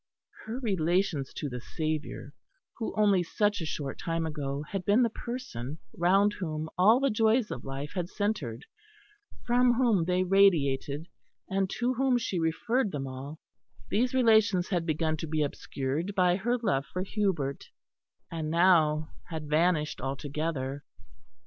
Her relations to the Saviour, who only such a short time ago had been the Person round whom all the joys of life had centred, from whom they radiated, and to whom she referred them all these relations had begun to be obscured by her love for Hubert, and now had vanished altogether.